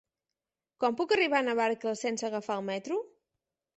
Com puc arribar a Navarcles sense agafar el metro?